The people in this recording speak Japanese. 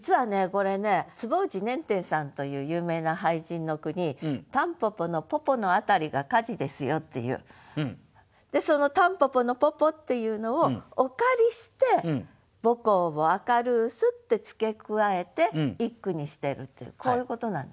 これね坪内稔典さんという有名な俳人の句に「たんぽぽのぽぽのあたりが火事ですよ」っていうその「たんぽぽのぽぽ」っていうのをお借りして「母校を明るうす」って付け加えて一句にしてるっていうこういうことなんですよ。